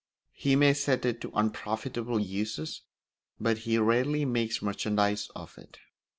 He may set it to unprofitable uses, but he rarely makes merchandise of it.